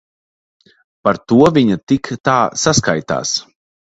Par to viņa tik tā saskaitās.